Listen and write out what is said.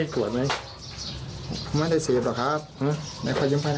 ตอนไม่ได้เสียบแล้วหลบสายตาทำไม